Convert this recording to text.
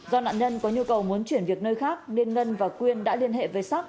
do nạn nhân có nhu cầu muốn chuyển việc nơi khác nên ngân và quyên đã liên hệ với sắc